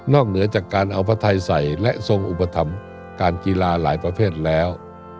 เหนือจากการเอาพระไทยใส่และทรงอุปถัมภ์การกีฬาหลายประเภทแล้ว